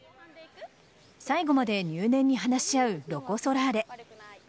最後まで入念に話し合うロコ・ソラーレ。